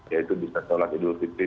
yaitu bisa sholat idul fitri